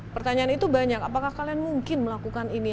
pertanyaan itu banyak apakah kalian mungkin melakukan ini